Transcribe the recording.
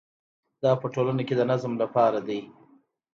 دا په ټولنه کې د نظم لپاره دی.